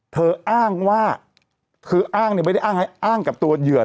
เธออ้างว่าคืออ้างไม่ได้อ้างให้อ้างกับตัวเหยื่อนะ